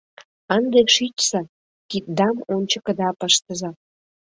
— Ынде шичса, киддам ончыкыда пыштыза.